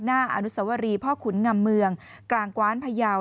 อนุสวรีพ่อขุนงำเมืองกลางกว้านพยาว